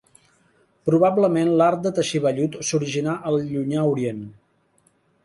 Probablement l'art de teixir vellut s'originà al Llunyà Orient.